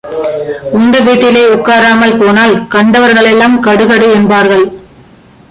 உண்ட வீட்டிலே உட்காராமல் போனால் கண்டவர்கள் எல்லாம் கடுகடு என்பார்கள்.